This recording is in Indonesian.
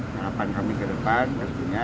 harapan kami ke depan pastinya